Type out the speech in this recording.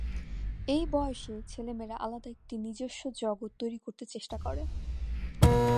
এ বয়সেই ছেলেমেয়েরা আলাদা একটি নিজস্ব জগত্ তৈরি করতে চেষ্টা করে।